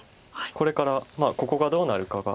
これからここがどうなるかが。